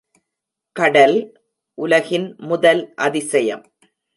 கடல், உலகின் முதல் அதிசயம்.